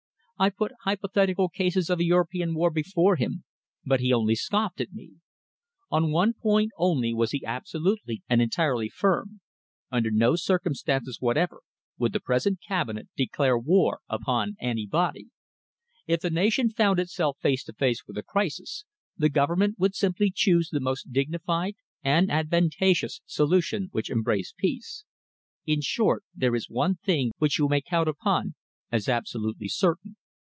I put hypothetical cases of a European war before him, but he only scoffed at me. On one point only was he absolutely and entirely firm under no circumstances whatever would the present Cabinet declare war upon anybody. If the nation found itself face to face with a crisis, the Government would simply choose the most dignified and advantageous solution which embraced peace. In short, there is one thing which you may count upon as absolutely certain.